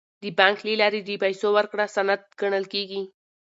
د بانک له لارې د پیسو ورکړه سند ګڼل کیږي.